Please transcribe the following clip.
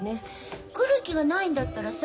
来る気がないんだったらさ